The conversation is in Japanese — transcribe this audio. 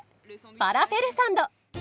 ファラフェルサンド。